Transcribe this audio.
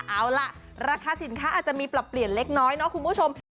เอาล่ะราคาสินค้าอาจจะมีปรับเปลี่ยนเล็กน้อยเนาะคุณผู้ชม